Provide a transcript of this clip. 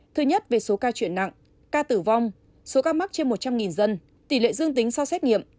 thứ nhất về số ca chuyển nặng ca tử vong số ca mắc trên một trăm linh dân tỷ lệ dương tính sau xét nghiệm